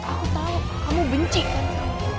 aku tahu kamu bencikan aku